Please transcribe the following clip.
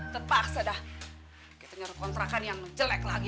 terpaksa dah kita dengar kontrakan yang jelek lagi